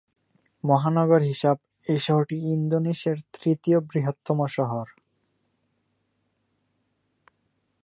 মহানগর হিসাব এই শহরটি ইন্দোনেশিয়ার তৃতীয় বৃহত্তম শহর।